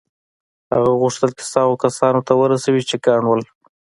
هغه غوښتل کیسه هغو کسانو ته ورسوي چې کڼ وو